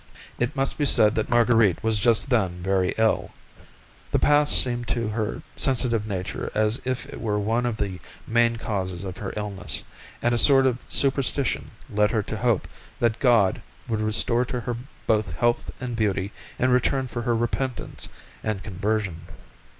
It must be said that Marguerite was just then very ill. The past seemed to her sensitive nature as if it were one of the main causes of her illness, and a sort of superstition led her to hope that God would restore to her both health and beauty in return for her repentance and conversion.